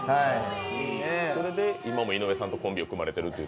それで今も井上さんとコンビを組まれているという？